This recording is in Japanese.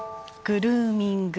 グルーミング。